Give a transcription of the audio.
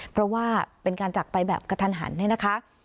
เพราะว่าเป็นการจักรไปแบบกระทันหันเนี่ยนะคะ